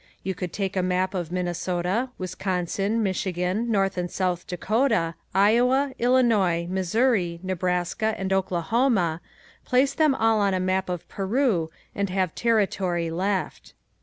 You could take a map of Minnesota, Wisconsin, Michigan, North and South Dakota, Iowa, Illinois, Missouri, Nebraska and Oklahoma, place them all on the map of Peru and have territory left.